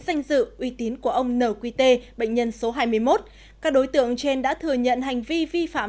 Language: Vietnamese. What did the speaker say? danh dự uy tín của ông n quy t bệnh nhân số hai mươi một các đối tượng trên đã thừa nhận hành vi vi phạm